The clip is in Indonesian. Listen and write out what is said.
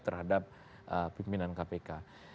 terhadap pimpinan kpk